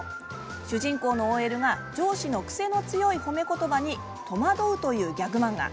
主人公のＯＬが上司の癖の強い褒め言葉に戸惑うというギャグ漫画。